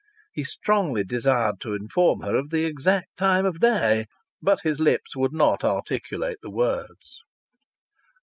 He strongly desired to inform her of the exact time of day, but his lips would not articulate the words.